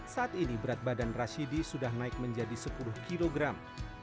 saat ini berat badan rashidi sudah naik menjadi sepuluh kilogram